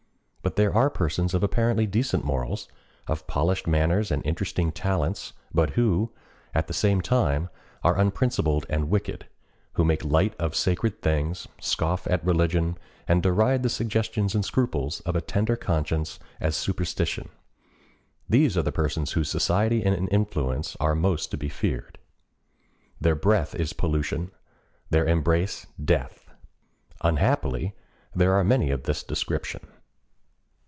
But there are persons of apparently decent morals, of polished manners and interesting talents, but who, at the same time, are unprincipled and wicked, who make light of sacred things, scoff at religion, and deride the suggestions and scruples of a tender conscience as superstition,—these are the persons whose society and influence are most to be feared. Their breath is pollution; their embrace, death. Unhappily there are many of this description.